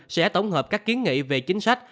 sẽ tổng hợp các kiến nghị về chính sách